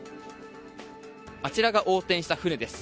あちらが横転した船です。